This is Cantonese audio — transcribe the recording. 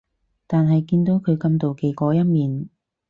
但係見到佢咁妒忌嗰一面